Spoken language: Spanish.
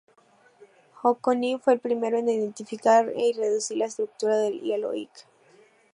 H. König fue el primero en identificar y deducir la estructura del hielo Ic.